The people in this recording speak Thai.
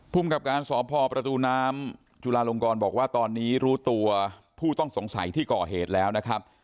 กับการสอบพอประตูน้ำจุลาลงกรบอกว่าตอนนี้รู้ตัวผู้ต้องสงสัยที่ก่อเหตุแล้วนะครับ